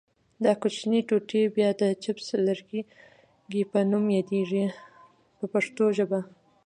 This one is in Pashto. دا کوچنۍ ټوټې بیا د چپس لرګي په نوم یادیږي په پښتو ژبه.